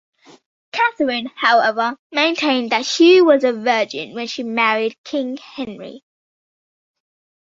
Catherine, however, maintained that she had been a virgin when she married King Henry.